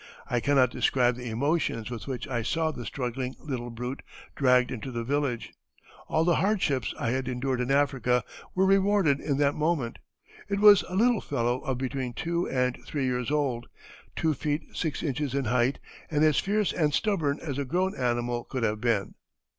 I cannot describe the emotions with which I saw the struggling little brute dragged into the village. All the hardships I had endured in Africa were rewarded in that moment. It was a little fellow of between two and three years old, two feet six inches in height, and as fierce and stubborn as a grown animal could have been."